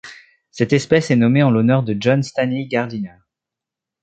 Cette espèce est nommée en l'honneur de John Stanley Gardiner.